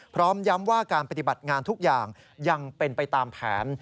พร้อมย้ำว่าการปฏิบัติงานทุกอย่างยังเป็นไปตามแผน